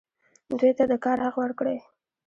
دوی ته د کار حق ورکړئ